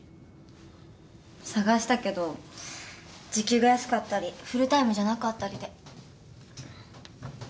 探したけど時給が安かったりフルタイムじゃなかったりで。